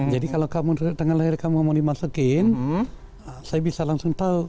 jadi kalau kamu tanggal lahir kamu mau dimasukin saya bisa langsung tahu